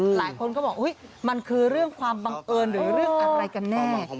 หลายคนก็บอกมันคือเรื่องความบังเอิญหรือเรื่องอะไรกันแน่